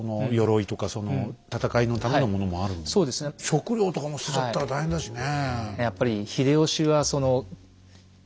食料とかも捨てちゃったら大変だしね。